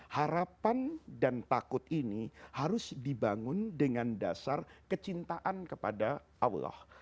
harapan dan takut ini harus dibangun dengan dasar kecintaan kepada allah